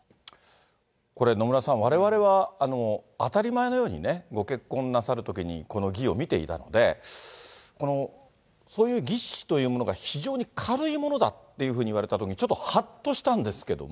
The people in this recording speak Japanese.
これ、野村さん、われわれは、当たり前のようにね、ご結婚なさるときにこの儀を見ていたんで、そういう儀式というものが非常に軽いものだっていうふうに言われたときに、ちょっと、はっとしたんですけれども。